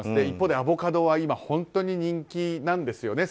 一方でアボカドは今、本当に人気なんですよ